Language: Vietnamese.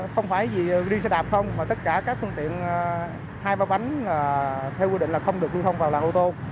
không phải gì đi xe đạp không mà tất cả các phương tiện hai ba bánh theo quy định là không được lưu thông vào làng ô tô